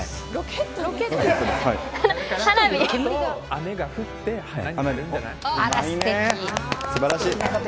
雨が降って花になるんじゃない？